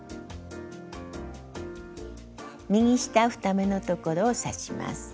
右下２目のところを刺します。